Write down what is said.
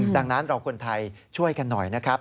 ดังนั้นเราคนไทยช่วยกันหน่อยนะครับ